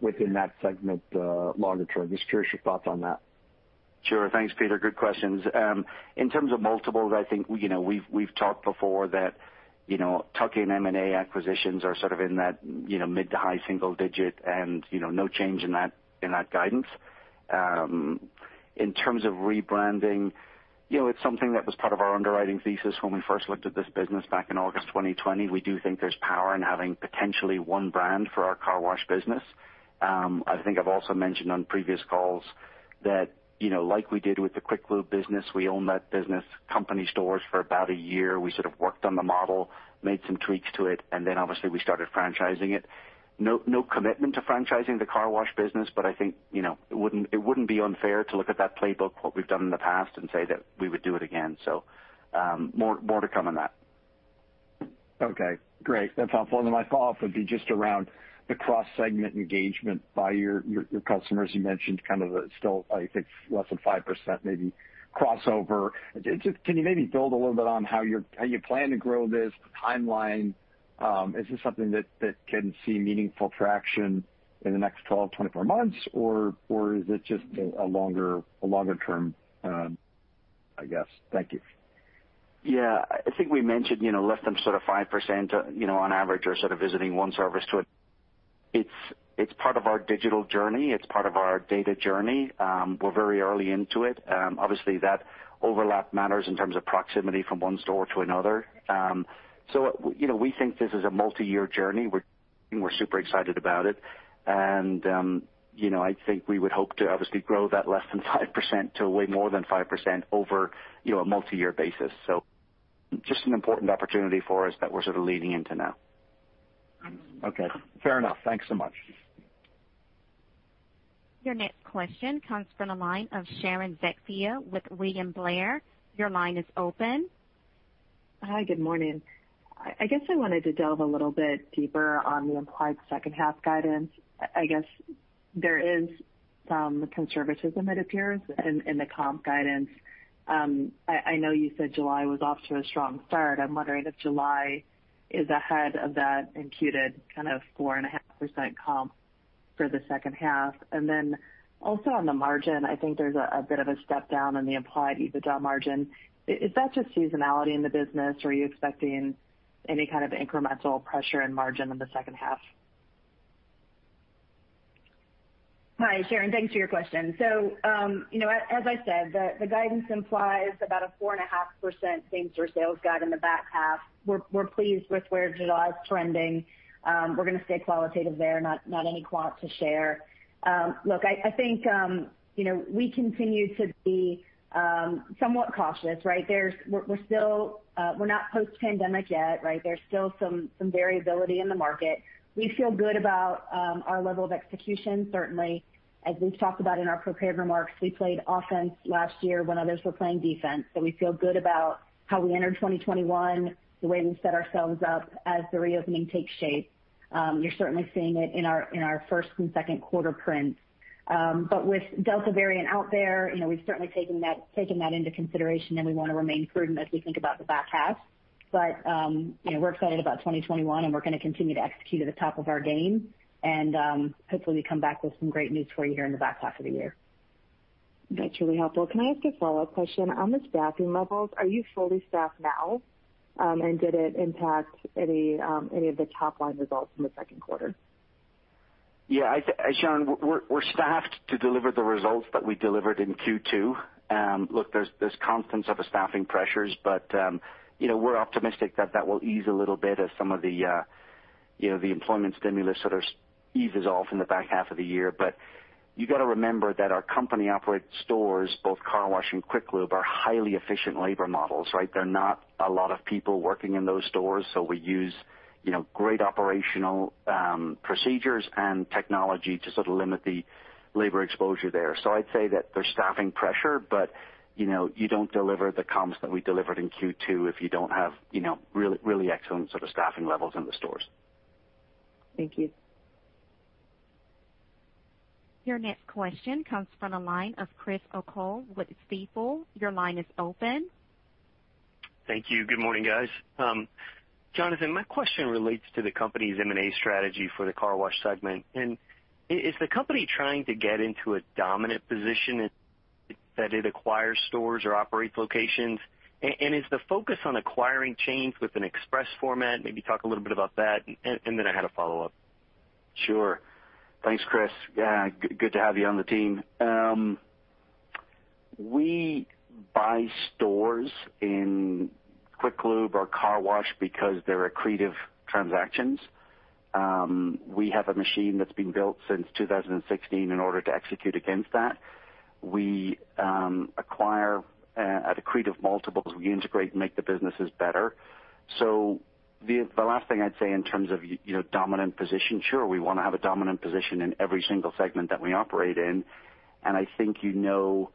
within that segment longer term? Just curious your thoughts on that. Sure. Thanks, Peter. Good questions. In terms of multiples, I think we've talked before that tuck-in M&A acquisitions are sort of in that mid to high single-digit and no change in that guidance. In terms of rebranding, it's something that was part of our underwriting thesis when we first looked at this business back in August 2020. We do think there's power in having potentially one brand for our car wash business. I think I've also mentioned on previous calls that like we did with the Quick Lube business, we own that business company stores for about a year. We sort of worked on the model, made some tweaks to it, and then obviously we started franchising it. No commitment to franchising the car wash business, but I think it wouldn't be unfair to look at that playbook, what we've done in the past, and say that we would do it again. More to come on that. Okay, great. That's helpful. My follow-up would be just around the cross-segment engagement by your customers. You mentioned kind of still, I think, less than 5% maybe crossover. Can you maybe build a little bit on how you plan to grow this timeline? Is this something that can see meaningful traction in the next 12, 24 months, or is it just a longer term, I guess? Thank you. Yeah. I think we mentioned less than sort of 5% on average are sort of visiting one service. It's part of our digital journey. It's part of our data journey. We're very early into it. Obviously, that overlap matters in terms of proximity from one store to another. We think this is a multi-year journey. We're super excited about it. I think we would hope to obviously grow that less than 5% to way more than 5% over a multi-year basis. Just an important opportunity for us that we're sort of leaning into now. Okay, fair enough. Thanks so much. Your next question comes from the line of Sharon Zackfia with William Blair. Your line is open. Hi, good morning. I guess I wanted to delve a little bit deeper on the implied second half guidance. I guess there is some conservatism it appears in the comp guidance. I know you said July was off to a strong start. I'm wondering if July is ahead of that imputed kind of 4.5% comp for the second half. Also on the margin, I think there's a bit of a step down in the implied EBITDA margin. Is that just seasonality in the business or are you expecting any kind of incremental pressure in margin in the second half? Hi, Sharon. Thanks for your question. As I said, the guidance implies about a 4.5% same-store sales guide in the back half. We're pleased with where July is trending. We're gonna stay qualitative there, not any quant to share. I think we continue to be somewhat cautious, right? We're not post-pandemic yet, right? There's still some variability in the market. We feel good about our level of execution, certainly. As we've talked about in our prepared remarks, we played offense last year when others were playing defense. We feel good about how we entered 2021, the way we set ourselves up as the reopening takes shape. You're certainly seeing it in our first and second quarter prints. With Delta variant out there, we've certainly taken that into consideration, and we wanna remain prudent as we think about the back half. We're excited about 2021, and we're gonna continue to execute at the top of our game. Hopefully we come back with some great news for you here in the back half of the year. That's really helpful. Can I ask a follow-up question? On the staffing levels, are you fully staffed now? Did it impact any of the top-line results in the second quarter? Sharon, we're staffed to deliver the results that we delivered in Q2. There's constants of staffing pressures, but we're optimistic that that will ease a little bit as some of the employment stimulus sort of eases off in the back half of the year. You gotta remember that our company-operated stores, both car wash and Quick Lube, are highly efficient labor models, right? There are not a lot of people working in those stores, so we use great operational procedures and technology to sort of limit the labor exposure there. I'd say that there's staffing pressure, but you don't deliver the comps that we delivered in Q2 if you don't have really excellent sort of staffing levels in the stores. Thank you. Your next question comes from the line of Chris O'Cull with Stifel. Your line is open. Thank you. Good morning, guys. Jonathan, my question relates to the company's M&A strategy for the car wash segment. Is the company trying to get into a dominant position as it acquires stores or operates locations? Is the focus on acquiring chains with an express format? Maybe talk a little bit about that, and then I had a follow-up. Sure. Thanks, Chris. Yeah. Good to have you on the team. We buy stores in Quick Lube or car wash because they're accretive transactions. We have a machine that's been built since 2016 in order to execute against that. We acquire at accretive multiples. We integrate and make the businesses better. The last thing I'd say in terms of dominant position, sure, we wanna have a dominant position in every single segment that we operate in, and I think you know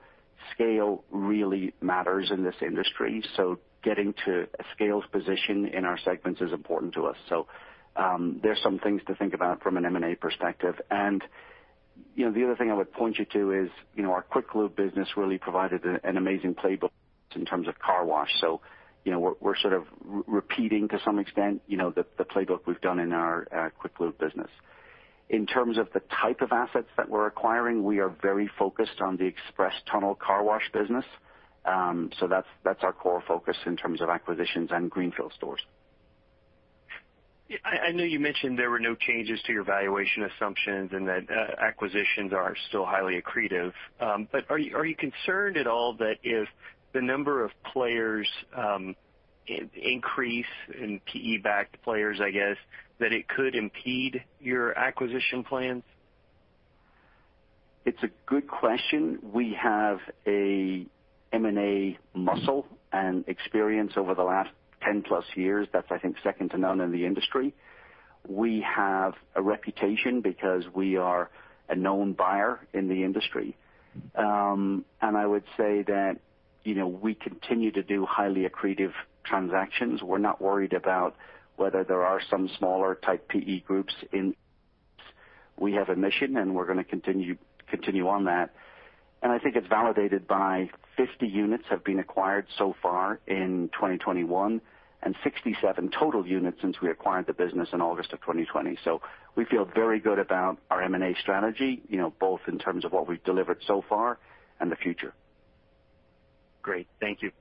scale really matters in this industry, so getting to a scaled position in our segments is important to us. There's some things to think about from an M&A perspective. The other thing I would point you to is our Quick Lube business really provided an amazing playbook in terms of car wash. We're sort of repeating to some extent, the playbook we've done in our Quick Lube business. In terms of the type of assets that we're acquiring, we are very focused on the express tunnel car wash business. That's our core focus in terms of acquisitions and greenfield stores. I know you mentioned there were no changes to your valuation assumptions and that acquisitions are still highly accretive. Are you concerned at all that if the number of players increase in PE-backed players, I guess, that it could impede your acquisition plans? It's a good question. We have a M&A muscle and experience over the last 10+ years that's, I think, second to none in the industry. We have a reputation because we are a known buyer in the industry. I would say that we continue to do highly accretive transactions. We're not worried about whether there are some smaller type PE groups in. We have a mission, and we're gonna continue on that. I think it's validated by 50 units have been acquired so far in 2021 and 67 total units since we acquired the business in August of 2020. We feel very good about our M&A strategy, both in terms of what we've delivered so far and the future. Great. Thank you.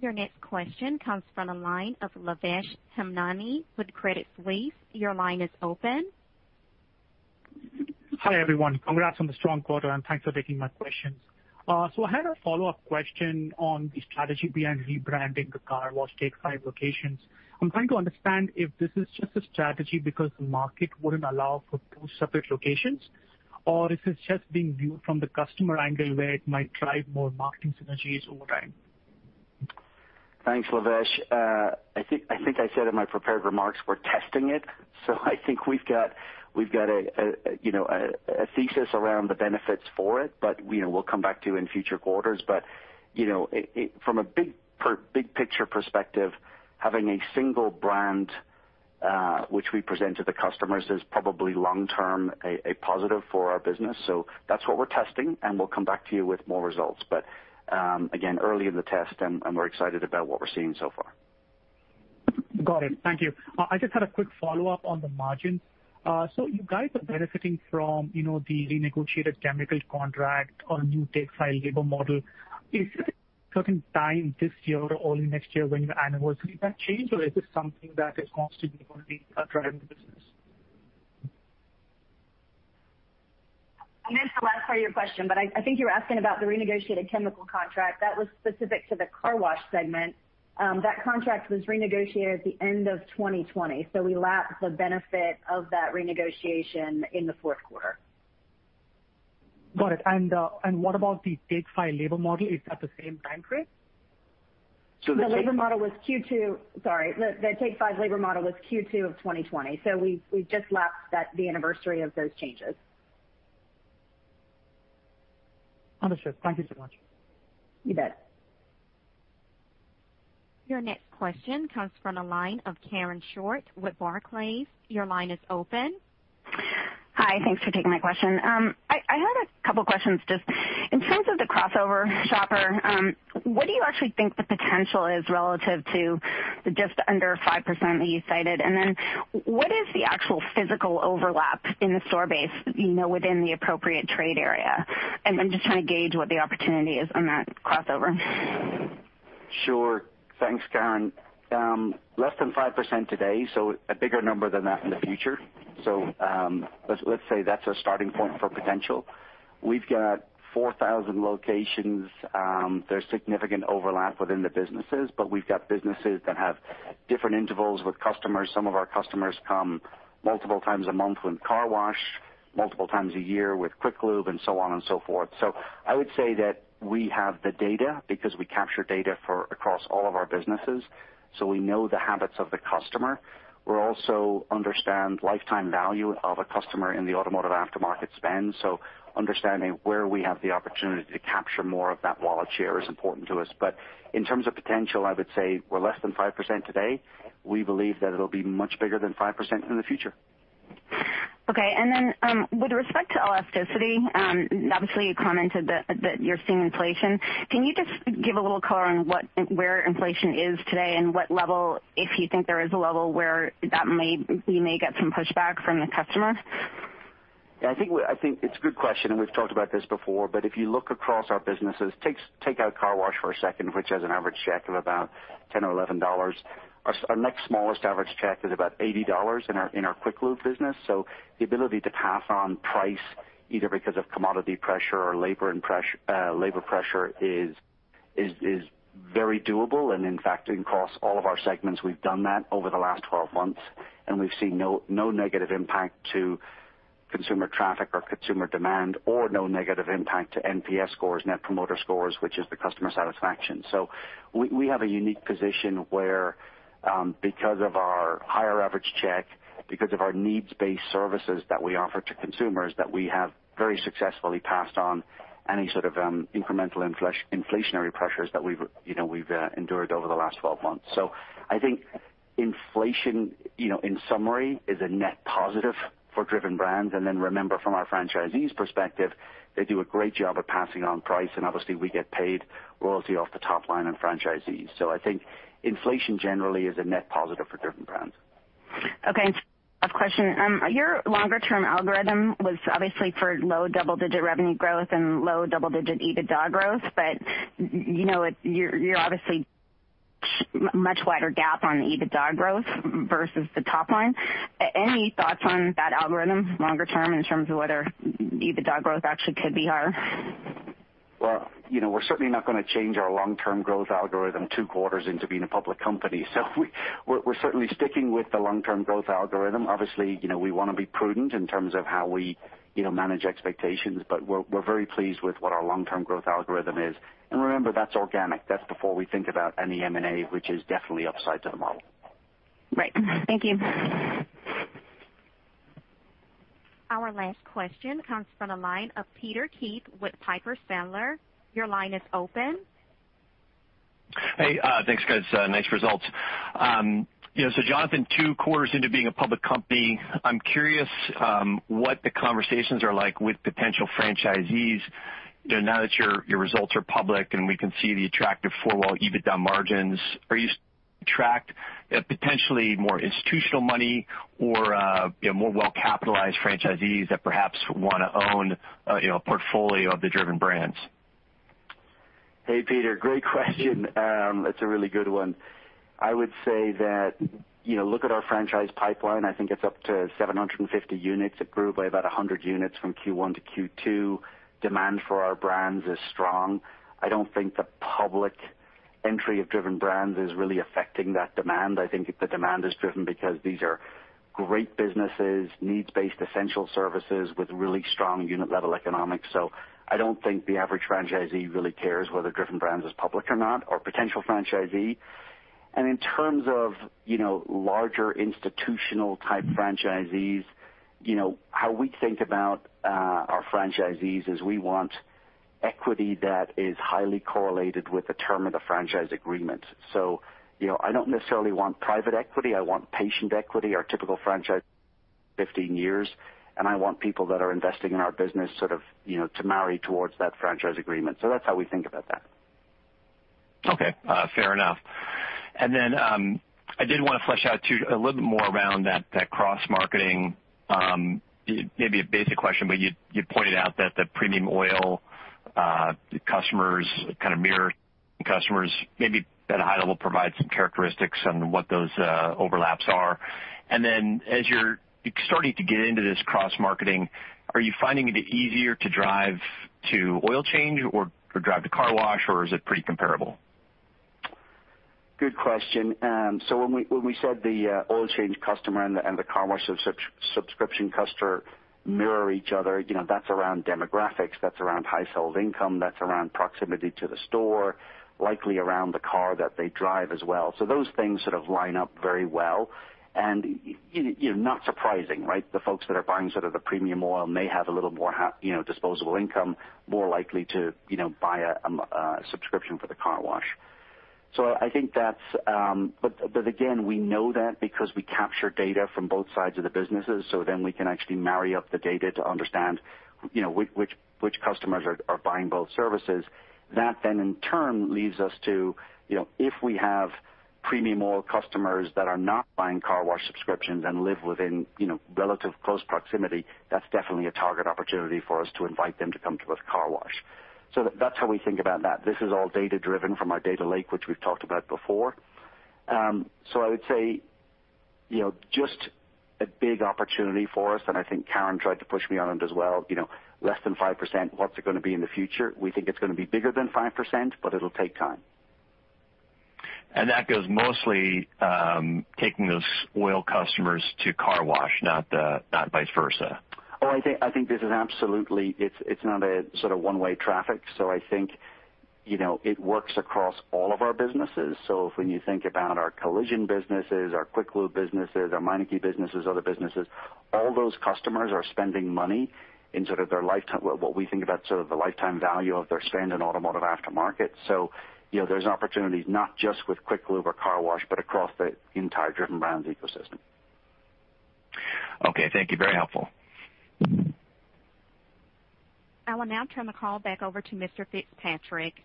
Your next question comes from the line of Lavesh Hemnani with Credit Suisse. Your line is open. Hi, everyone. Congrats on the strong quarter, and thanks for taking my questions. I had a follow-up question on the strategy behind rebranding the car wash Take five locations. I'm trying to understand if this is just a strategy because the market wouldn't allow for two separate locations, or if it's just being viewed from the customer angle where it might drive more marketing synergies over time. Thanks, Lavesh. I think I said in my prepared remarks we're testing it. I think we've got a thesis around the benefits for it, but we'll come back to you in future quarters. From a big picture perspective, having a single brand, which we present to the customers, is probably long-term, a positive for our business. That's what we're testing, and we'll come back to you with more results. Again, early in the test and we're excited about what we're seeing so far. Got it. Thank you. I just had a quick follow-up on the margins. You guys are benefiting from the renegotiated chemical contract or new Take 5 labor model. Is there a certain time this year or early next year when you anniversary that change? Is this something that is constantly going to be driving the business? I missed the last part of your question. I think you were asking about the renegotiated chemical contract. That was specific to the car wash segment. That contract was renegotiated at the end of 2020. We lapped the benefit of that renegotiation in the fourth quarter. Got it. What about the Take 5 labor model? Is that the same time frame? The labor model was Q2. Sorry. The Take 5 labor model was Q2 of 2020. We just lapped the anniversary of those changes. Understood. Thank you so much. You bet. Your next question comes from the line of Karen Short with Barclays. Your line is open. Hi. Thanks for taking my question. I had a couple questions just in terms of the crossover shopper. What do you actually think the potential is relative to the just under 5% that you cited? What is the actual physical overlap in the store base within the appropriate trade area? I'm just trying to gauge what the opportunity is on that crossover. Sure. Thanks, Karen. Less than 5% today, a bigger number than that in the future. Let's say that's our starting point for potential. We've got 4,000 locations. There's significant overlap within the businesses, we've got businesses that have different intervals with customers. Some of our customers come multiple times a month with car wash, multiple times a year with Quick Lube, and so on and so forth. I would say that we have the data because we capture data across all of our businesses, so we know the habits of the customer. We also understand lifetime value of a customer in the automotive aftermarket spend. Understanding where we have the opportunity to capture more of that wallet share is important to us. In terms of potential, I would say we're less than 5% today. We believe that it'll be much bigger than 5% in the future. Okay. With respect to elasticity, obviously you commented that you're seeing inflation. Can you just give a little color on where inflation is today and what level, if you think there is a level, where you may get some pushback from the customer? Yeah, I think it's a good question. We've talked about this before, if you look across our businesses, take out car wash for a second, which has an average check of about $10 or $11. Our next smallest average check is about $80 in our Quick Lube business. The ability to pass on price, either because of commodity pressure or labor pressure is very doable. In fact, across all of our segments, we've done that over the last 12 months, we've seen no negative impact to consumer traffic or consumer demand, no negative impact to NPS scores, net promoter scores, which is the customer satisfaction. We have a unique position where, because of our higher average check, because of our needs-based services that we offer to consumers, that we have very successfully passed on any sort of incremental inflationary pressures that we've endured over the last 12 months. I think inflation, in summary, is a net positive for Driven Brands. Remember, from our franchisees' perspective, they do a great job at passing on price, and obviously we get paid royalty off the top line on franchisees. I think inflation generally is a net positive for Driven Brands. Okay. Last question. Your longer term algorithm was obviously for low double-digit revenue growth and low double-digit EBITDA growth. You're obviously much wider gap on the EBITDA growth versus the top line. Any thoughts on that algorithm longer term in terms of whether EBITDA growth actually could be higher? Well, we're certainly not going to change our long-term growth algorithm 2 quarters into being a public company. We're certainly sticking with the long-term growth algorithm. Obviously, we want to be prudent in terms of how we manage expectations, but we're very pleased with what our long-term growth algorithm is. Remember, that's organic. That's before we think about any M&A, which is definitely upside to the model. Right. Thank you. Our last question comes from the line of Peter Keith with Piper Sandler. Your line is open. Hey, thanks, guys. Nice results. Jonathan, two quarters into being a public company, I'm curious what the conversations are like with potential franchisees now that your results are public and we can see the attractive four wall EBITDA margins. Are you attract potentially more institutional money or more well-capitalized franchisees that perhaps want to own a portfolio of the Driven Brands? Hey, Peter, great question. That's a really good one. I would say that look at our franchise pipeline. I think it's up to 750 units. It grew by about 100 units from Q1 to Q2. Demand for our brands is strong. I don't think the public entry of Driven Brands is really affecting that demand. I think the demand is driven because these are great businesses, needs-based essential services with really strong unit-level economics. I don't think the average franchisee really cares whether Driven Brands is public or not, or potential franchisee. In terms of larger institutional-type franchisees, how we think about our franchisees is we want equity that is highly correlated with the term of the franchise agreement. I don't necessarily want private equity, I want patient equity. Our typical franchise, 15 years, and I want people that are investing in our business sort of to marry towards that franchise agreement. That's how we think about that. Okay. Fair enough. I did want to flesh out too, a little bit more around that cross-marketing. Maybe a basic question, but you pointed out that the premium oil customers kind of mirror customers. Maybe at a high level, provide some characteristics on what those overlaps are. As you're starting to get into this cross-marketing, are you finding it easier to drive to oil change or drive to car wash, or is it pretty comparable? Good question. When we said the oil change customer and the car wash subscription customer mirror each other, that's around demographics, that's around high household income, that's around proximity to the store, likely around the car that they drive as well. Those things sort of line up very well. Not surprising, right? The folks that are buying the premium oil may have a little more disposable income, more likely to buy a subscription for the car wash. Again, we know that because we capture data from both sides of the businesses, then we can actually marry up the data to understand which customers are buying both services. In turn leads us to, if we have premium oil customers that are not buying car wash subscriptions and live within relative close proximity, that's definitely a target opportunity for us to invite them to come to a car wash. That's how we think about that. This is all data-driven from our data lake, which we've talked about before. I would say, just a big opportunity for us, and I think Karen tried to push me on it as well. Less than 5%, what's it going to be in the future? We think it's going to be bigger than 5%, it'll take time. That goes mostly, taking those oil customers to car wash, not vice versa. I think this is absolutely not a sort of one-way traffic. I think it works across all of our businesses. When you think about our collision businesses, our Quick Lube businesses, our Meineke businesses, other businesses, all those customers are spending money in sort of their lifetime, what we think about sort of the lifetime value of their spend in automotive aftermarket. There's opportunities not just with Quick Lube or car wash, but across the entire Driven Brands ecosystem. Okay. Thank you. Very helpful. I will now turn the call back over to Mr. Fitzpatrick.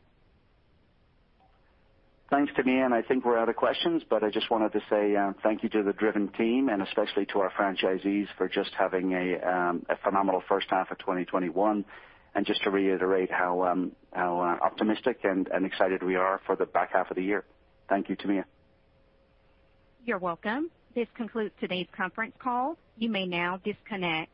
Thanks, Tamia, and I think we're out of questions, but I just wanted to say thank you to the Driven team and especially to our franchisees for just having a phenomenal first half of 2021. Just to reiterate how optimistic and excited we are for the back half of the year. Thank you, Tamia. You're welcome. This concludes today's conference call. You may now disconnect.